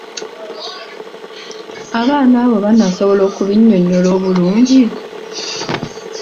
Abaana abo banasobola okubinnyonnyola obulungi?